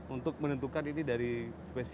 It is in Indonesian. untuk menentukan ini dari spesies mana gitu